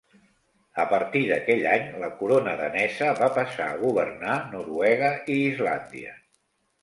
A partir d'aquell any la Corona danesa va passar a governar Noruega i Islàndia.